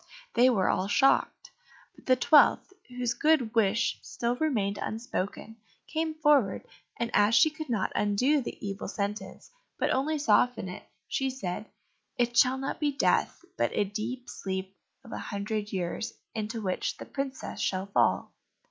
They were all shocked; but the twelfth, whose good wish still remained unspoken, came forward, and as she could not undo the evil sentence, but only soften it, she said, "It shall not be death, but a deep sleep of a hundred years, into which the princess shall fall."